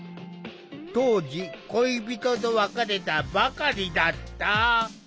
当時恋人と別れたばかりだった。